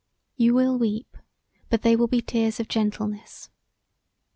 You will weep but they will be tears of gentleness.